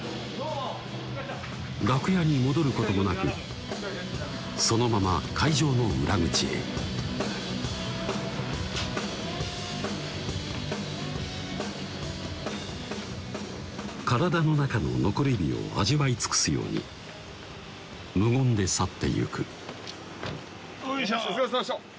楽屋に戻ることもなくそのまま会場の裏口へ体の中の残り火を味わい尽くすように無言で去ってゆくよいしょ